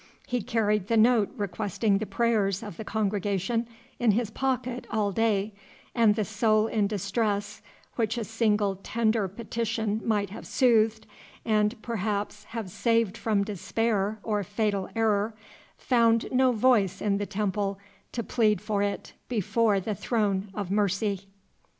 He carried the note requesting the prayers of the congregation in his pocket all day; and the soul in distress, which a single tender petition might have soothed, and perhaps have saved from despair or fatal error, found no voice in the temple to plead for it before the Throne of Mercy!